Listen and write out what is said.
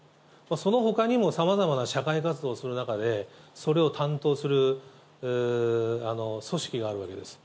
そのほかにもさまざまな社会活動をする中で、それを担当する組織があるわけです。